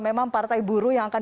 memang partai buruh yang akan